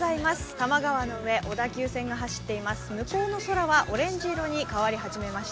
多摩川の上、小田急線が走っています。